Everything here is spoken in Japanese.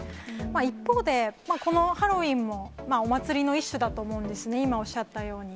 一方で、このハロウィーンもお祭りの一種だと思うんですね、今おっしゃったように。